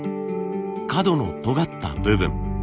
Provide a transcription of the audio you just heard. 角のとがった部分